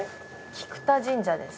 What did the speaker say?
菊田神社です。